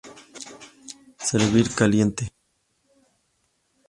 Servir caliente.